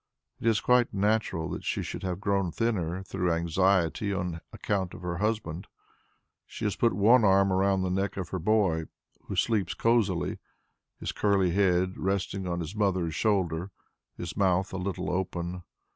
It is quite natural that she should have grown thinner through anxiety on account of her husband. She has put one arm round the neck of her boy, who sleeps cosily, his curly head resting on his mother's shoulder, his mouth a little open.